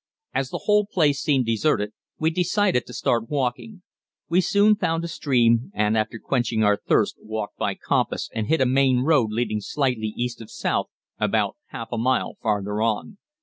As the whole place seemed deserted we decided to start walking. We soon found a stream, and after quenching our thirst walked by compass and hit a main road leading slightly east of south about half a mile farther on.